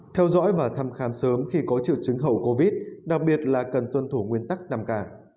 theo dõi và thăm khám sớm khi có triệu chứng hậu covid đặc biệt là cần tuân thủ nguyên tắc năm cả